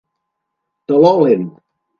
Teló lent.